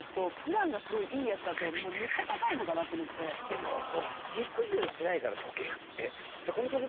でもほら。